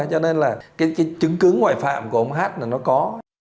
cho nên là cái chứng cứ ngoại phạm của ông hát là nó có